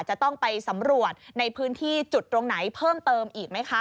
จะต้องไปสำรวจในพื้นที่จุดตรงไหนเพิ่มเติมอีกไหมคะ